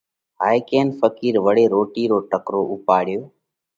هائي ڪينَ ڦقِير وۯي روٽِي رو ٽڪرو اُوپاڙيو